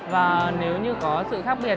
và nếu như có sự khác biệt